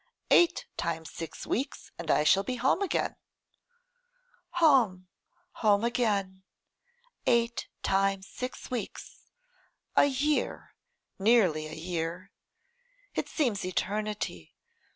eight times six weeks, and I shall be home again.' 'Home! home again! eight times six weeks; a year, nearly a year! It seems eternity.